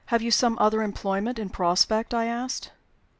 "Have you some other employment in prospect?" I asked.